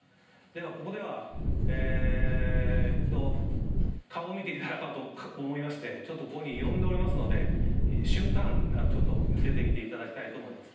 では、ここでは一度、顔を見ていただこうと思いまして、ちょっとここに呼んでおりますので、瞬間、出てきていただきたいと思います。